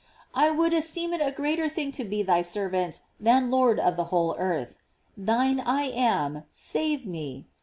I would esteem it a greater thing to be thy servant than Lord of the whole earth. Thine I am, save me!